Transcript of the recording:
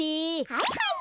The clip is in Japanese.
はいはい。